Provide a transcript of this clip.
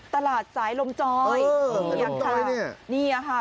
ตลาดสายลมจอยนี่ค่ะ